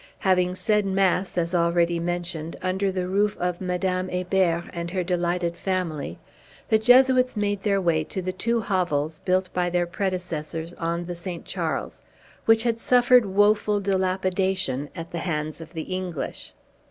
Having said mass, as already mentioned, under the roof of Madame Hébert and her delighted family, the Jesuits made their way to the two hovels built by their predecessors on the St. Charles, which had suffered woful dilapidation at the hands of the English.